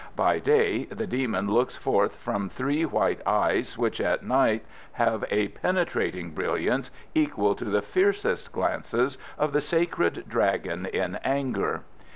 By day the demon looks forth from three white eyes, which at night have a penetrating brilliance equal to the fiercest glances of the Sacred Dragon in anger.